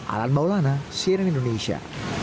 alan maulana siren indonesia